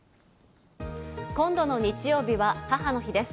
今度の日曜日は母の日です。